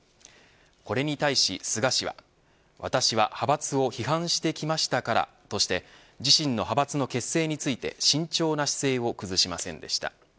これに対し菅氏は私は派閥を批判してきましたからとして自身の派閥の結成について慎重な姿勢を崩しませんでした。